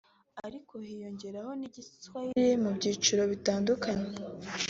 ariko hiyongeraho n’Igiswahili mu byiciro bitandukanye